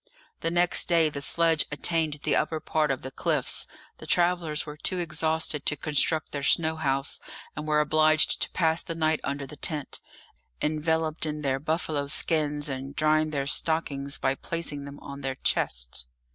The next day the sledge attained the upper part of the cliffs; the travellers were too exhausted to construct their snow house, and were obliged to pass the night under the tent, enveloped in their buffalo skins, and drying their stockings by placing them on their chests.